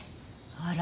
あら。